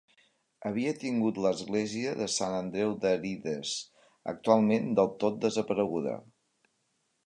Havia tingut l'església de Sant Andreu d'Arides, actualment del tot desapareguda.